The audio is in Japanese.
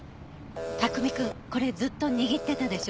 卓海くんこれずっと握ってたでしょ。